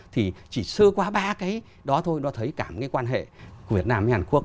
thì chỉ sơ qua ba cái đó thôi nó thấy cả quan hệ của việt nam với hàn quốc